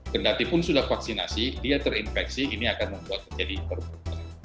kendaki pun sudah vaksinasi dia terinfeksi ini akan membuat menjadi perburukan